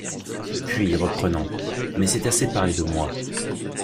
Puis, reprenant: « Mais c’est assez parler de moi